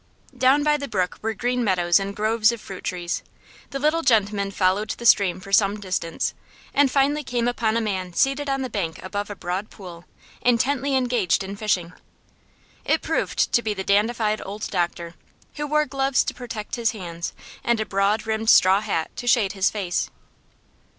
Down by the brook were green meadows and groves of fruit trees. The little gentleman followed the stream for some distance, and finally came upon a man seated on the bank above a broad pool, intently engaged in fishing. It proved to be the dandified old doctor, who wore gloves to protect his hands and a broad rimmed straw hat to shade his face.